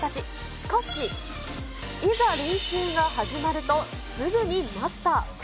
しかし、いざ練習が始まると、すぐにマスター。